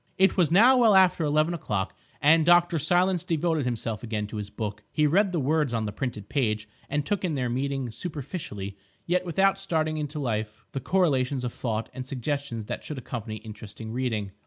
It was now well after eleven o'clock, and Dr. Silence devoted himself again to his book. He read the words on the printed page and took in their meaning superficially, yet without starting into life the correlations of thought and suggestions that should accompany interesting reading.